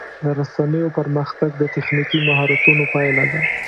د رسنیو پرمختګ د تخنیکي مهارتونو پایله ده.